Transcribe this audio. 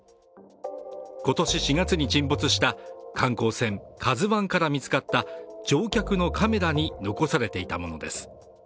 今年４月に沈没した観光船「ＫＡＺＵⅠ」から見つかった乗客のカメラに残されていたものです。